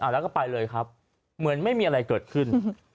แล้วก็ไปเลยครับเหมือนไม่มีอะไรเกิดขึ้น